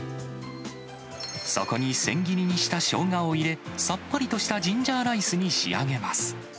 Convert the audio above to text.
そこに千切りにしたしょうがを入れ、さっぱりとしたジンジャーライスに仕上げます。